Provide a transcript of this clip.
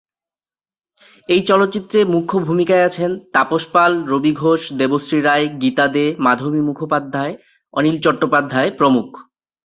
এই চলচ্চিত্রে মুখ্য ভূমিকায় আছেন তাপস পাল, রবি ঘোষ, দেবশ্রী রায়, গীতা দে, মাধবী মুখোপাধ্যায়, অনিল চট্টোপাধ্যায় প্রমুখ।